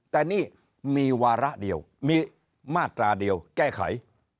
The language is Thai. แต่นี่มีวาระเดียวมีมาตราเดียวแก้ไข